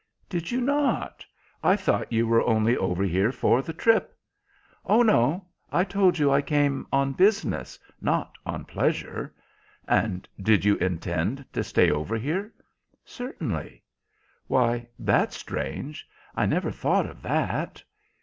"Did you not? I thought you were only over here for the trip." "Oh no. I told you I came on business, not on pleasure." "And did you intend to stay over here?" "Certainly." "Why, that's strange; I never thought of that."